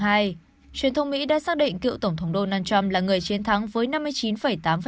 truyền thông mỹ đã xác định cựu tổng thống donald trump là người chiến thắng với năm mươi chín tám